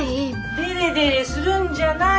デレデレするんじゃない！